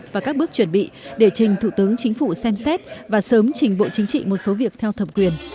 và các bước chuẩn bị để trình thủ tướng chính phủ xem xét và sớm trình bộ chính trị một số việc theo thẩm quyền